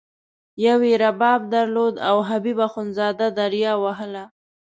یوه یې رباب درلود او حبیب اخندزاده دریا وهله.